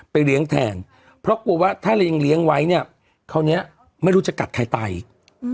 เลี้ยงแทนเพราะกลัวว่าถ้าเรายังเลี้ยงไว้เนี้ยคราวเนี้ยไม่รู้จะกัดใครตายอีกอืม